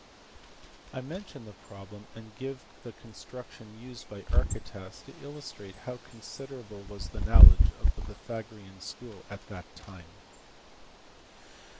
I mention the problem and give the construction used by Ar chytas to illustrate how considerable was the knowledge of the Pythagorean school at that time.